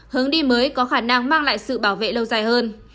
hướng đi mới có khả năng mang lại sự bảo vệ lâu dài hơn